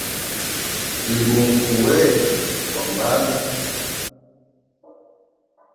Twibunge kuu wetu wambala.